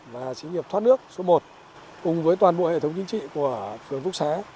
và xí nghiệp thoát nước số một cùng với toàn bộ hệ thống chính trị của phường phúc xá